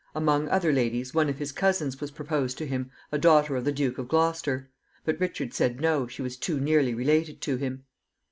Among other ladies, one of his cousins was proposed to him, a daughter of the Duke of Gloucester. But Richard said no; she was too nearly related to him.